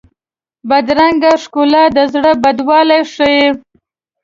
بدرنګه ښکلا د زړه بدوالی ښيي